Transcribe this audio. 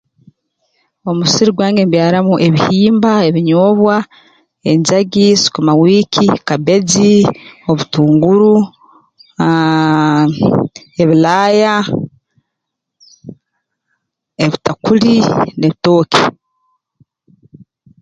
Omu musiri gwange mbyaramu ebihimba ebinyoobwa enjagi sukuma wiiki kabbeji obutunguru aaah ebilaaya ebitakuli n'ebitooke